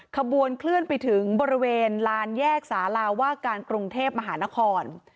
ขบวนเคลื่อนไปถึงบริเวณลานแยกสาราว่าการกรุงเทพมหานคร